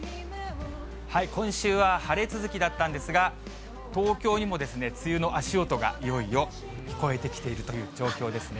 今週は晴れ続きだったんですが、東京にも梅雨の足音がいよいよ聞こえてきているという状況ですね。